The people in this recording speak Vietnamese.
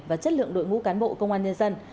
và chất lượng đội ngũ cán bộ công an nhân dân